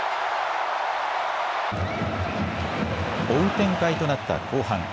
追う展開となった後半。